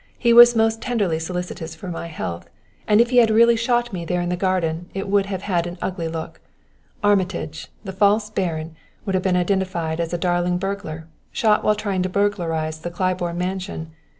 He was most tenderly solicitous for my health; and if he had really shot me there in the garden it would have had an ugly look. Armitage, the false baron, would have been identified as a daring burglar, shot while trying to burglarize the Claiborne mansion!